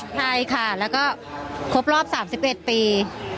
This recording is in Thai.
ใช่ค่ะแล้วก็ครบรอบ๓๑ปี